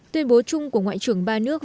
tuyên bố chung của ngoại trưởng ba nước